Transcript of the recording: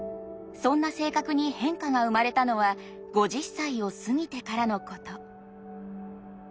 そんな性格に変化が生まれたのは５０歳を過ぎてからのこと。